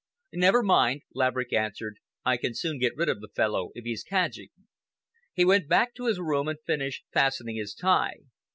"Never mind," Laverick answered. "I can soon get rid of the fellow if he's cadging." He went back to his room and finished fastening his tie.